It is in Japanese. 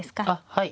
はい。